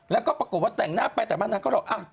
แล้วก็ปรากฏว่าแต่งหน้าไปแต่งมานางก็บอก